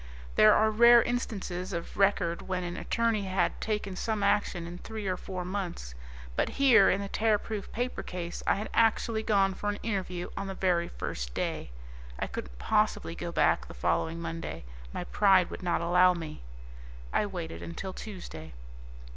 There are rare instances of record when an attorney had taken some action in three or four months. But here, in the Tearproof Paper Case, I had actually gone for an interview on the very first day. I couldn't possibly go back on the following Monday; my pride would not allow me. I waited until Tuesday.